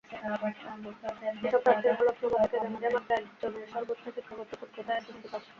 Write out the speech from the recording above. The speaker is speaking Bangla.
এসব প্রার্থীর হলফনামা থেকে জানা যায়, মাত্র একজনের সর্বোচ্চ শিক্ষাগত যোগ্যতা এসএসসি পাস।